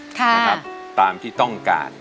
ค่ะนะครับตามที่ต้องการ